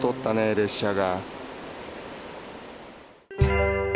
列車が。